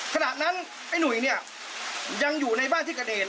ขณะนั้นไอ้หนุ่ยเนี่ยยังอยู่ในบ้านที่กระเด็น